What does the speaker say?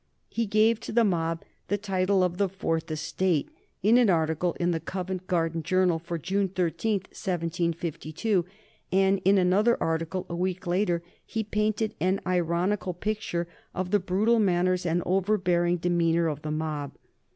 He gave to the mob the title of the Fourth Estate in an article in the Covent Garden Journal for June 13, 1752, and in another article a week later he painted an ironical picture of the brutal manners and overbearing demeanor of the mob.